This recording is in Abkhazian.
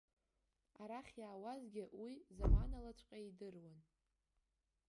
Арахь иаауазгьы уи заманалаҵәҟьа идыруан.